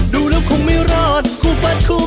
ดูแล้วคงไม่รอดคู่ฟัดคู่